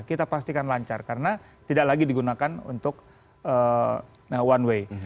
kita pastikan lancar karena tidak lagi digunakan untuk one way